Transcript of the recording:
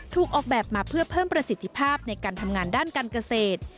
ออกแบบมาเพื่อเพิ่มประสิทธิภาพในการทำงานด้านการเกษตร